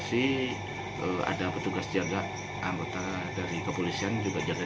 kalau pemeriksaan tadi di ruangan khusus berdua saja